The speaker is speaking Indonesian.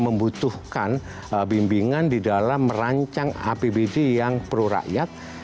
membutuhkan bimbingan di dalam merancang apbd yang prurakyat